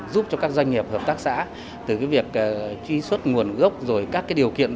giúp cho các doanh nghiệp hợp tác xã từ cái việc truy xuất nguồn gốc rồi các điều kiện